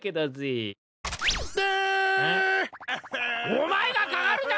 お前がかかるな！